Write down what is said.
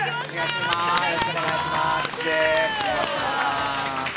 ◆よろしくお願いします。